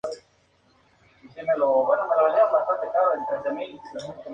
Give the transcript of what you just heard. Circula todo los días, y los festivos con horario del domingo.